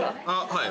はい。